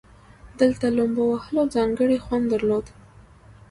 دلته لومبو وهل ځانګړى خوند درلودو.